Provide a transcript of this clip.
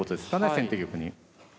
先手玉に。